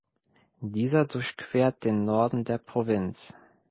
Dieser durchquert den Norden der Provinz.